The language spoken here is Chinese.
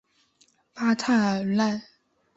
巴泰尔奈。